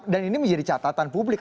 dan ini menjadi catatan publik